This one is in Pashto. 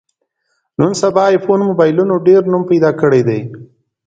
نن سبا ایفون مبایلونو ډېر نوم پیدا کړی دی.